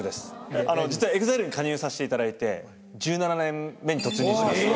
実はＥＸＩＬＥに加入させていただいて１７年目に突入しました。